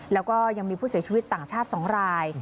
แล้วก็ยังมีผู้เสียชีวิตต่างชาติ๒ราย